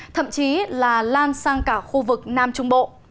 thậm chí là lan sang cả khu vực nam trung bộ